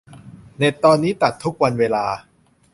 เน็ตตอนนี้ตัดทุกวันเวลา